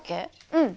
うん。